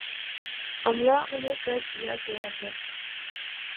عملا انہیں کر دیا گیا ہے۔